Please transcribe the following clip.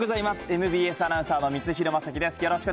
ＭＢＳアナウンサーの三ツ廣政輝です。